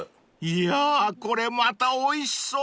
［いやこれまたおいしそう！］